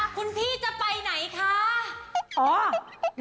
คุณพี่จะไปไหนคะ